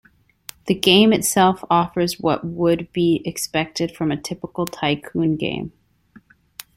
The game itself offers what would be expected from a typical tycoon game.